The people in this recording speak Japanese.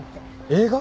映画！？